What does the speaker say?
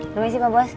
terima kasih pak bos